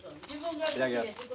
いただきます。